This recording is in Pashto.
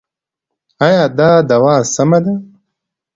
ایا دا دوا سمه ده؟